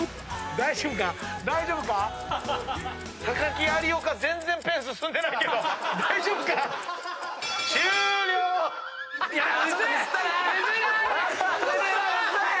大丈夫か⁉木有岡全然ペン進んでないけど大丈夫か⁉むずい！